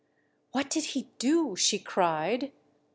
"What did he do .^" she cried.